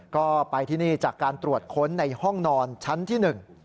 ก็ไปที่นี่จากการตรวจค้นในห้องนอนชั้นที่หนึ่ง